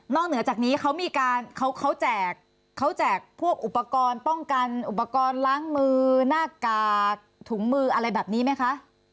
เหนือจากนี้เขามีการเขาแจกพวกอุปกรณ์ป้องกันอุปกรณ์ล้างมือหน้ากากถุงมืออะไรแบบนี้ไหมคะ